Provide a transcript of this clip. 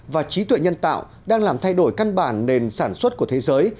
và trí tuệ nhân tạo đang làm thay đổi căn bản nền sản xuất của thế giới